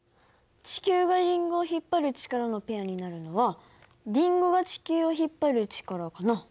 地球がリンゴを引っ張る力のペアになるのはリンゴが地球を引っ張る力かな。